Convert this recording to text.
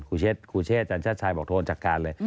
ครูเชศอาจารย์ชาติชายบอกโทรจัดการเลย